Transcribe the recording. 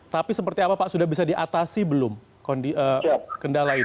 tapi seperti apa pak sudah bisa diatasi belum kendala ini